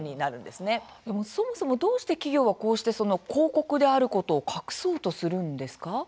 でも、そもそもどうして企業はその広告であることを隠そうとするんですか？